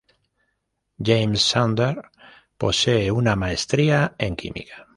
James Sanders posee una maestría en química.